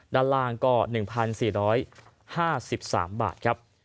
ด้านล่างก็๑๔๕๓บาทครับ